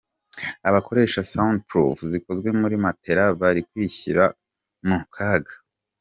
Abakoresha Sound proof zikozwe muri matela bari kwishyira mu kaga.